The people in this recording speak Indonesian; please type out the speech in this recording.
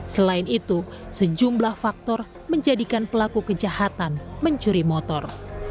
selain itu sejumlah faktor menjadikan pelaku kejahatan mencuri motor